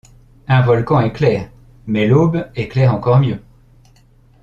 Un volcan éclaire, mais l’aube éclaire encore mieux.